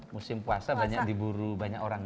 musim puasa banyak diburu banyak orang